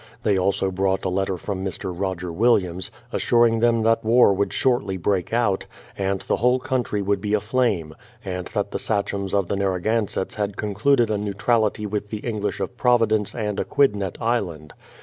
They also brought a letter from Mr. Roger Williams, assuring them that war would shortly break out, and the whole country would be aflame ; and that the sachems of the Narragansetts had concluded a neutrality with the English of Providence and Aquidnett Island.